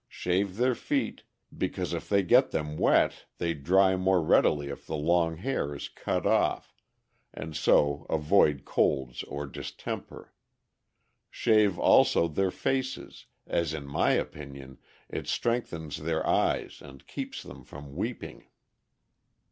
Shave their feet, because if they get them wet they dry more readily if the long hair is cut off, and so avoid colds or distemper; shave also their faces, as, in my opinion, it strengthens their eyes and keeps them from weeping.